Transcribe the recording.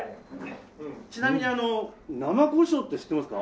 ちなみに生胡椒って知ってますか？